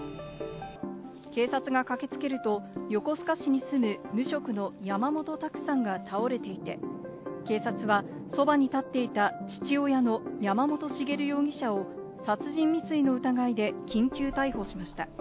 警察が駆けつけると横須賀市に住む無職の山本卓さんが倒れていて、警察はそばに立っていた父親の山本茂容疑者を殺人未遂の疑いで緊急逮捕しました。